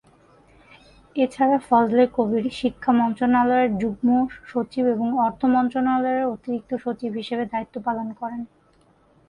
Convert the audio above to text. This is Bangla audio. এছাড়া ফজলে কবির শিক্ষা মন্ত্রণালয়ের যুগ্ম সচিব এবং অর্থ মন্ত্রণালয়ের অতিরিক্ত সচিব হিসেবে দায়িত্ব পালন করেন।